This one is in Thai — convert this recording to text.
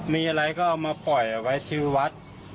มีอะไรก็เอามาปล่อยเอาไว้ที่วัด